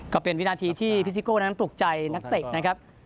ก็เป็นวินาทีที่พิซิโก้นั้นปลูกใจนักเตะนะครับ